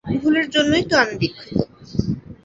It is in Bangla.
ভুলের জন্যেই তো আমি বিখ্যাত।